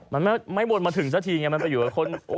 มันไม่วนมาถึงสักทีไงมันไปอยู่กับคน